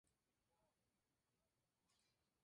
Documento bajado de internet.